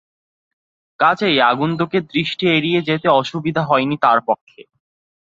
কাজেই আগন্তুকের দৃষ্টি এড়িয়ে যেতে অসুবিধা হয়নি তাঁর পক্ষে।